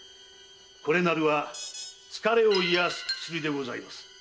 これなるは疲れを癒す薬でございます。